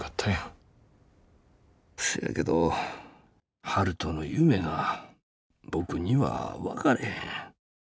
「そやけど悠人の夢が僕には分かれへん。